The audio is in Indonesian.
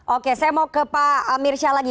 oke saya mau ke pak mirsya lagi